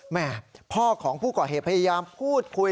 แม่พ่อของผู้ก่อเหตุพยายามพูดคุย